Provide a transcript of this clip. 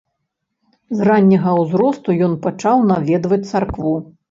З ранняга ўзросту ён пачаў наведваць царкву.